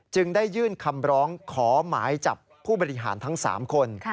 ได้ยื่นคำร้องขอหมายจับผู้บริหารทั้ง๓คน